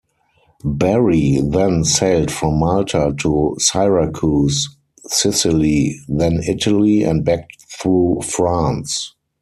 Barry then sailed from Malta to Syracuse, Sicily, then Italy and back through France.